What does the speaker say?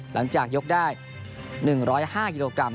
หลังจากยกได้๑๐๕กิโลกรัม